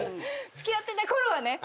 付き合ってたころはね。